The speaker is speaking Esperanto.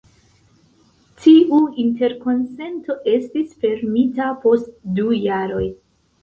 Tiu interkonsento estis fermita post du jaroj.